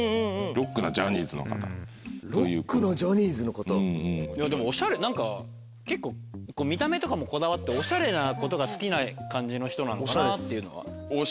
ロックなジャニーズの方？でもおしゃれ何か結構見た目とかもこだわっておしゃれなことが好きな感じの人なのかなっていうのは。